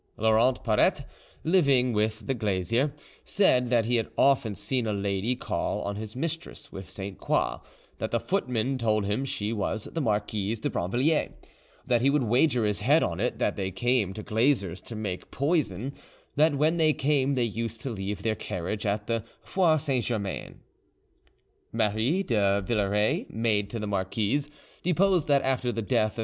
Laurent Perrette, living with Glazer, said that he had often seen a lady call on his mistress with Sainte Croix; that the footman told him she was the Marquise de Brinvilliers; that he would wager his head on it that they came to Glazer's to make poison; that when they came they used to leave their carriage at the Foire Saint Germain. Marie de Villeray, maid to the marquise, deposed that after the death of M.